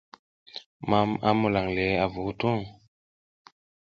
Mam a mulan le avu hutung.